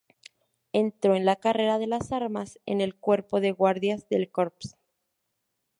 Entró en la carrera de las armas, en el Cuerpo de Guardias de Corps.